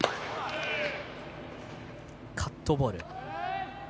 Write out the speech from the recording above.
カットボール。